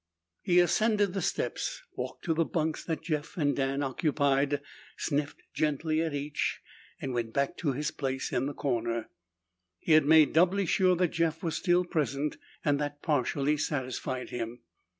He ascended the steps, walked to the bunks that Jeff and Dan occupied, sniffed gently at each, and went back to his place in the corner. He had made doubly sure that Jeff was still present and that partially satisfied him.